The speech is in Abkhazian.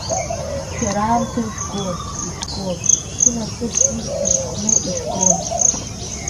Шәара аамҭа жәгон, ижәгон, сынасыԥгьы сымхны ижәгон…